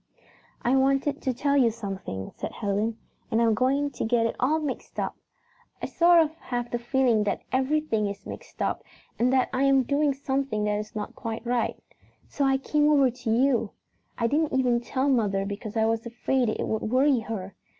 "I wanted to tell you something," said Helen, "and I am going to get it all mixed up. I sort of have the feeling that everything is mixed up and that I am doing something that is not quite right. So I came over to you. I didn't even tell mother because I was afraid it would worry her.